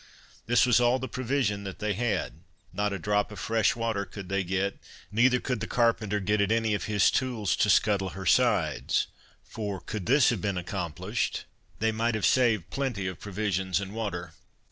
This was all the provision that they had; not a drop of fresh water could they get; neither could the carpenter get at any of his tools to scuttle her sides, for, could this have been accomplished, they might have saved plenty of provisions and water.